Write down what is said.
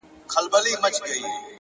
o ستا له تصويره سره،